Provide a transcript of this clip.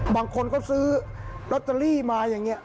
บางคนเขาซื้อลอตเตอรี่มาอย่างนี้